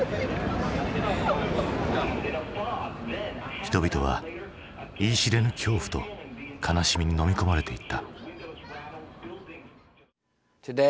人々は言い知れぬ恐怖と悲しみにのみ込まれていった。